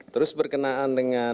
terus berkenaan dengan